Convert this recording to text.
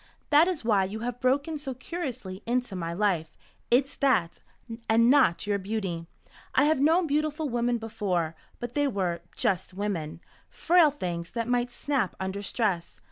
"That is why you have broken so curiously into my life. It's that and not your beauty. I have known beautiful women before. But they were just women, frail things that might snap under stress.